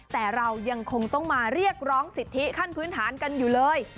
แต่เรายังคงต้องมาเรียกร้องสิทธิขั้นพื้นฐานกันอยู่เลย